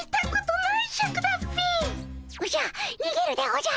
おじゃ。